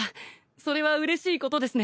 それはうれしいことですね。